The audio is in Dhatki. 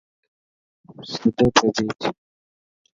سڌو ٿي ڀيچ.